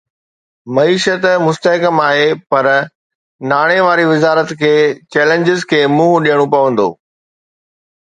معيشت مستحڪم آهي پر ناڻي واري وزارت کي چئلينجز کي منهن ڏيڻو پوندو